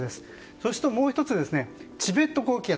そしてもう１つ、チベット高気圧。